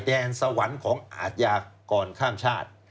แดนสวรรค์ของอาทยากรข้ามชาติ